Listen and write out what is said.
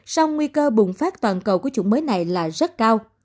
song nguy cơ bùng phát toàn cầu của chủng mới này là rất cao